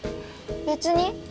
別に。